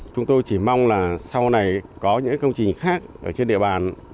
chúng tôi chỉ mong là sau này có những công trình khác ở trên địa bàn